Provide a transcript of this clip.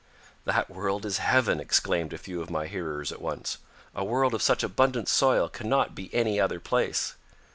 "That world is heaven," exclaimed a few of my hearers at once. "A world of such abundant soil cannot be any other place."